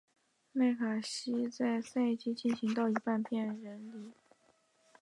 麦卡锡在赛季进行到一半便离任。